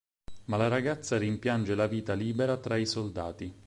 Ma la ragazza rimpiange la vita libera tra i soldati.